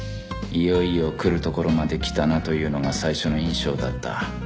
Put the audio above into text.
いよいよ来るところまで来たなというのが最初の印象だった